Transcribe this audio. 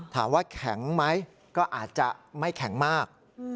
ถามว่าแข็งไหมก็อาจจะไม่แข็งมาก